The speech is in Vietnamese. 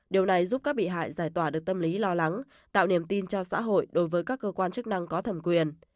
điều này giúp các bị hại giải tỏa được tâm lý lo lắng tạo niềm tin cho xã hội đối với các cơ quan chức năng có thẩm quyền